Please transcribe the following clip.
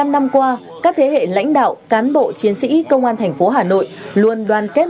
bảy mươi năm năm qua các thế hệ lãnh đạo cán bộ chiến sĩ công an thành phố hà nội luôn đoàn kết